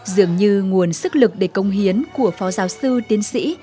dường như nguồn sức lực để công hiến của phó giáo sư tiến sĩ